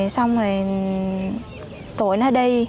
xong rồi tội nó đi